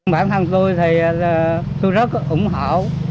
bản thân tôi thì tôi rất ủng hộ